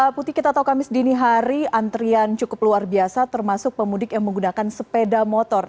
putih kita tahu kamis dini hari antrian cukup luar biasa termasuk pemudik yang menggunakan sepeda motor